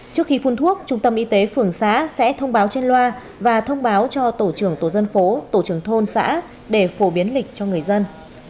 trước khi phun thuốc trung tâm y tế phường xã sẽ thông báo trên loa và thông báo cho tổ trưởng tổ dân phố tổ trưởng thôn xã để phổ biến lịch cho người dân